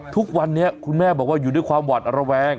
ทุกวันนี้คุณแม่บอกว่าอยู่ด้วยความหวัดระแวง